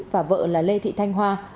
và vợ là lê thị thanh hoa